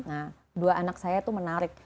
nah dua anak saya itu menarik